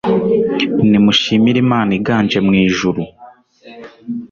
Nimushimire Imana iganje mu ijuru